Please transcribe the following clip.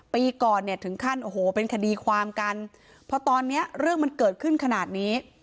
ปีก่อนเนี่ยถึงขั้นโอ้โหเป็นคดีความกันเพราะตอนเนี้ยเรื่องมันเกิดขึ้นขนาดนี้